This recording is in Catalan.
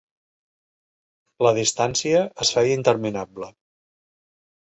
La distància es feia interminable.